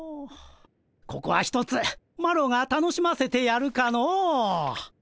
ここはひとつマロが楽しませてやるかの。